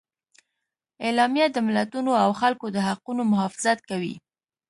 اعلامیه د ملتونو او خلکو د حقونو محافظت کوي.